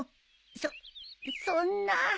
そっそんな。